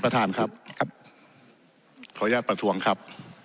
ค่ะครับขออนุญาตประทรวงครับ